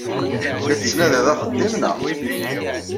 La tettnadiḍ axeddim, naɣ?